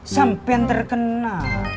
sampe yang terkena